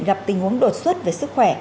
gặp tình huống đột xuất về sức khỏe